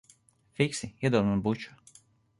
Fiksi iedod man buču.